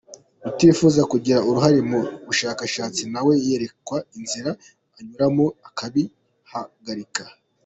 Utifuza kugira uruhare mu bushakashatsi na we yerekwa inzira anyuramo akabihagarika.